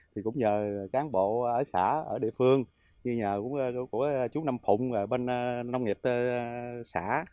thì cũng nhờ cán bộ ở xã ở địa phương như nhờ cũng của chú năm phụng bên nông nghiệp xã